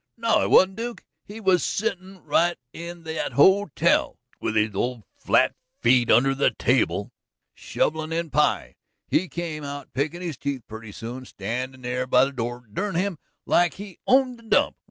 "No, he wasn't, Duke. He was settin' right in that ho tel, with his old flat feet under the table, shovelin' in pie. He come out pickin' his teeth purty soon, standin' there by the door, dern him, like he owned the dump.